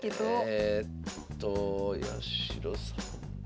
えっと八代先生。